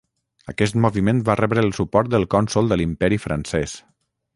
Aquest moviment va rebre el suport del cònsol de l'Imperi Francès.